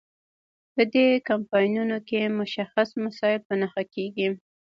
په دې کمپاینونو کې مشخص مسایل په نښه کیږي.